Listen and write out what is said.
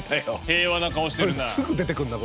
平和な顔してるな。